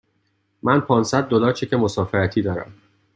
من پانصد دلار چک مسافرتی دارم.